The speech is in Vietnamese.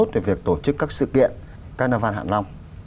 giống như là việc tổ chức các sự kiện carnival hạng long